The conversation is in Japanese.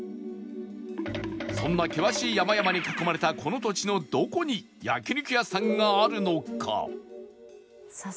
そんな険しい山々に囲まれたこの土地のどこに焼肉屋さんがあるのか？